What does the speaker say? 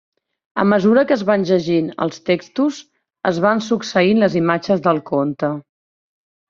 A mesura que es van llegint els textos es van succeint les imatges del conte.